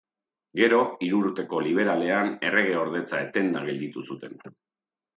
Gero, Hirurteko Liberalean erregeordetza etenda gelditu zuten.